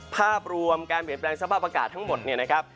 ภาพรวมการเปลี่ยนแปลงสภาพอากาศทั้งหมดเนี่ยนะครับ